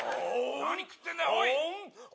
何食ってんだよ